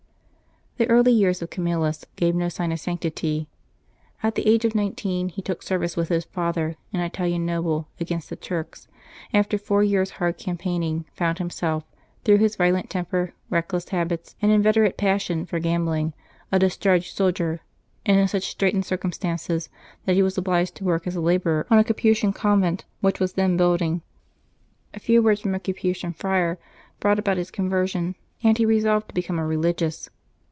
^^HE early years of Camillus gave no sign of sanctity. w^ At the age of nineteen he took service with his father, an Italian noble, against the Turks, and after four years' hard campaigning found himself, through his vio lent temper, reckless habits, and inveterate passion for gambling, a discharged soldier, and in such straitened cir cumstances that he was obliged to work as a laborer on a Capuchin convent which was then building. A few words from a Capuchin friar brought about his conversion, and he resolved to become a religious.